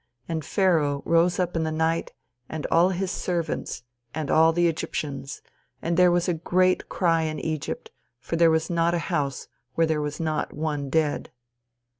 And Pharaoh rose up in the night, and all his servants, and all the Egyptians, and there was a great cry in Egypt, for there was not a house where there was not one dead."